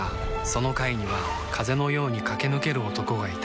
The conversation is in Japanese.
その階には風のように駆け抜ける男がいた